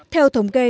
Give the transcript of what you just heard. theo thông tin